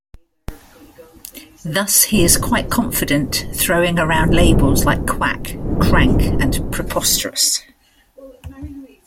Thus he is quite confident throwing around labels like "quack", "crank" and "preposterous".